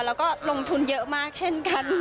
แล้วก็ลงทุนเยอะมากเช่นกัน